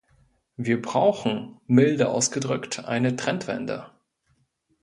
Wir brauchen, milde ausgedrückt, eine Trendwende.